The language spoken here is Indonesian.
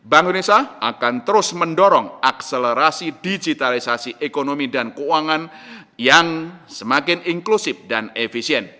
bank indonesia akan terus mendorong akselerasi digitalisasi ekonomi dan keuangan yang semakin inklusif dan efisien